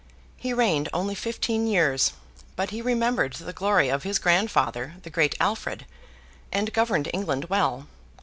He reigned only fifteen years; but he remembered the glory of his grandfather, the great Alfred, and governed England well.